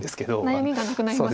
悩みがなくなりますね。